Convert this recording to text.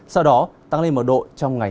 sau đó tăng lên một độ trong ngày hai mươi năm